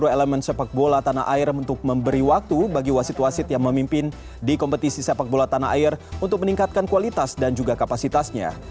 elemen sepak bola tanah air untuk memberi waktu bagi wasit wasit yang memimpin di kompetisi sepak bola tanah air untuk meningkatkan kualitas dan juga kapasitasnya